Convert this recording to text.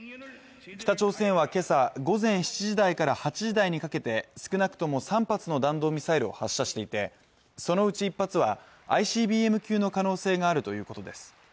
北朝鮮は今朝午前７時台から８時台にかけて少なくとも３発の弾道ミサイルを発射していてそのうち１発はＩＣＢＭ級の可能性があるということです